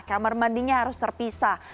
kamar mandinya harus terpisah